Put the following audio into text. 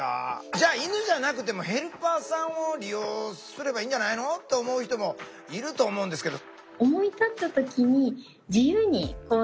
じゃあ犬じゃなくてもヘルパーさんを利用すればいいんじゃないの？と思う人もいると思うんですけど。